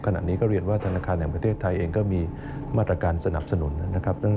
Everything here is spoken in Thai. ขณะนี้ก็เรียนว่าธนาคารแห่งประเทศไทยเองก็มีมาตรการสนับสนุนนะครับ